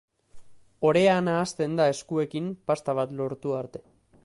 Orea nahasten da eskuekin pasta bat lortu arte.